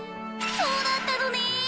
そうだったのね！